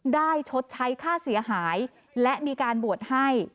ชดใช้ค่าเสียหายและมีการบวชให้